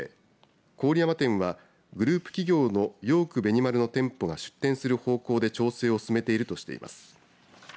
郡山店はグループ企業のヨークベニマルの店舗が出店する方向で調整を進めているとしています。